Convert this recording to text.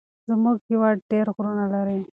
زمونږ هيواد ډير غرونه لري.